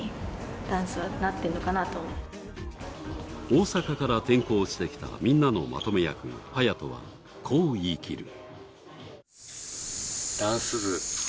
大阪から転校してきたみんなのまとめ役、はやとはこう言い切る。